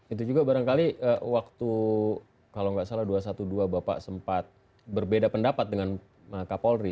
itu juga barangkali waktu kalau nggak salah dua ratus dua belas bapak sempat berbeda pendapat dengan kapolri